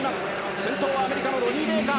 先頭はアメリカのロニー・ベイカー。